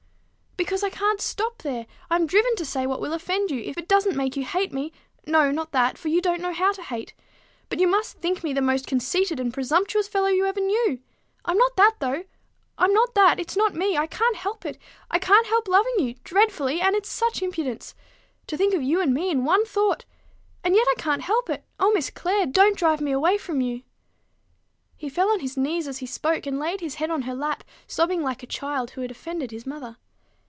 "Because I can't stop there. I'm driven to say what will offend you, if it doesn't make you hate me no, not that; for you don't know how to hate. But you must think me the most conceited and presumptuous fellow you ever knew. I'm not that, though; I'm not that; it's not me; I can't help it; I can't help loving you dreadfully and it's such impudence! To think of you and me in one thought! And yet I can't help it. O Miss Clare! don't drive me away from you." He fell on his knees as he spoke, and laid his head on her lap, sobbing like a child who had offended his mother.